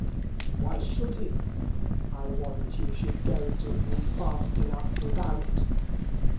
why should he? I warrant you she'd go to him fast enough without."